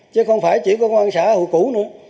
chứ không phải chỉ có công an xã hội cũ nữa